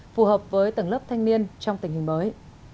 phù hợp với tầng lớp thanh niên trong tình hình mới